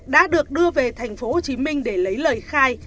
đã được đưa về thành phố hồ chí minh để lấy lời khai